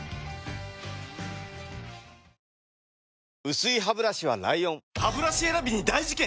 薄いハブラシは ＬＩＯＮハブラシ選びに大事件！